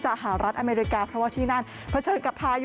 ส่วนในระยะนี้หลายพื้นที่ยังคงพบเจอฝนตกหนักได้ค่ะ